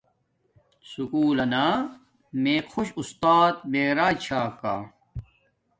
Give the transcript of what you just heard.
سکُول لنا میے خوش آستات معراج چھا کا